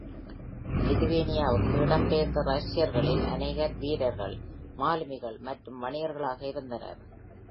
லிதுவேனியாவுக்கு இடம்பெயர்ந்த ரஷ்யர்களில் அநேகர் வீரர்கள், மாலுமிகள் மற்றும் வணிகர்களாக இருந்தனர்.